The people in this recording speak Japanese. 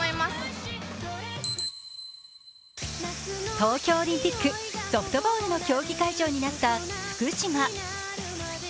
東京オリンピック、ソフトボールの競技会場になった福島。